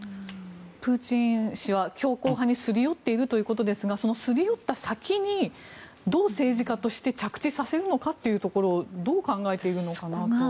プーチン氏は強硬派にすり寄っているということですがそのすり寄った先にどう政治家として着地させるのかどう考えているのかなと。